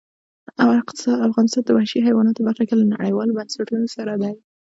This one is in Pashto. افغانستان د وحشي حیواناتو برخه کې له نړیوالو بنسټونو سره دی.